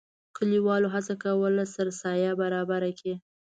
کلیوالو هڅه کوله سرسایه برابره کړي.